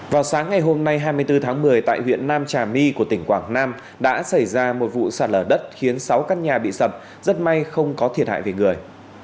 vào sáng ngày hôm nay hai mươi bốn tháng một mươi tại huyện nam trà my của tỉnh quảng nam đã xảy ra một vụ sạt lở đất khiến sáu căn nhà bị sập rất may không có thiệt hại về người